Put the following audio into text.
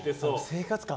生活感